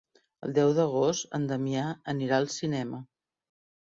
El deu d'agost en Damià anirà al cinema.